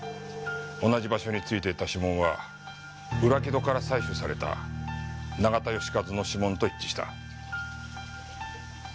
同じ場所に付いていた指紋は裏木戸から採取された永田佳和の指紋と一致した。